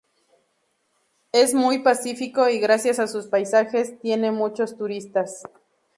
Es muy pacífico y gracias a sus paisajes tiene muchos turistas.